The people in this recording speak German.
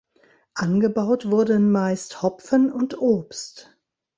Angebaut wurden meist Hopfen und Obst.